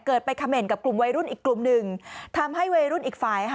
ไปเขม่นกับกลุ่มวัยรุ่นอีกกลุ่มหนึ่งทำให้วัยรุ่นอีกฝ่าย